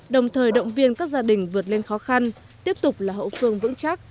đồng thời động viên các gia đình vượt lên khó khăn tiếp tục là hậu phương vững chắc